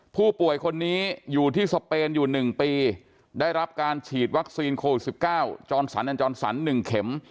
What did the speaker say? ผู้ป่วยคนนี้อยู่ที่สเปนอยู่๑ปีได้รับการฉีดวัคซีนโควิด๑๙จรสันอันจรสัน๑เข็ม